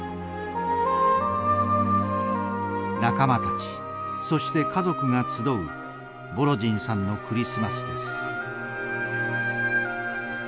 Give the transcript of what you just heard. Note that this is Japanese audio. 仲間たちそして家族が集うボロジンさんのクリスマスです。